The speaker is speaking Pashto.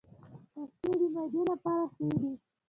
مستې د معدې لپاره ښې دي